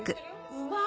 うまい？